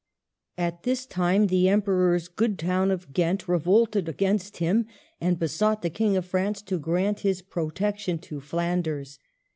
At this time the Emperor's good town of Ghent revolted against him, and besought the King of France to grant his protection to Flanders.